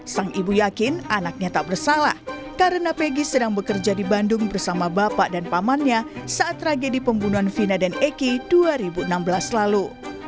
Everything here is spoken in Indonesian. sang ibu yakin anaknya tak bersalah karena peggy sedang bekerja di bandung bersama bapak dan pamannya saat tragedi pembunuhan vina dan eki dua ribu enam belas lalu